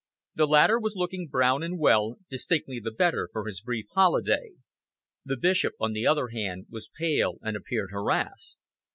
The latter was looking brown and well, distinctly the better for his brief holiday. The Bishop, on the contrary, was pale and appeared harassed.